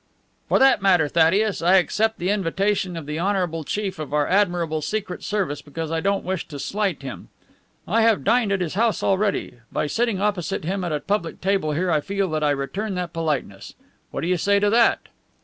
"For that matter, Thaddeus, I accept the invitation of the honorable chief of our admirable Secret Service because I don't wish to slight him. I have dined at his house already. By sitting opposite him at a public table here I feel that I return that politeness. What do you say to that?"